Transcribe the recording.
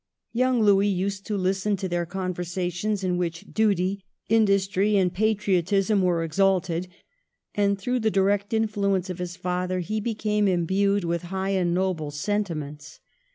Young Louis used to listen to their conversations, in which duty, industry and patriotism were exalted; and, through the direct influence of his father, he became imbued with high and noble senti ments.